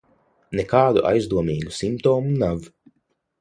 Nekādu aizdomīgu simptomu nav.